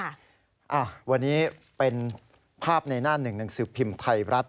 อ้าววันนี้เป็นภาพในหน้าหนึ่งหนังสือพิมพ์ไทยรัฐ